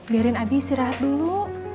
biarin abi istirahat dulu